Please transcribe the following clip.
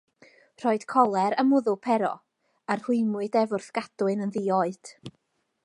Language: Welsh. Rhoed coler am wddw Pero, a rhwymwyd ef wrth gadwyn yn ddi-oed.